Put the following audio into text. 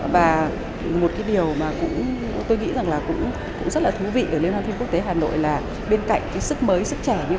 và một cái điều mà tôi nghĩ rằng là cũng rất là thú vị ở liên hoan phim quốc tế hà nội là bên cạnh cái sức mới sức trẻ như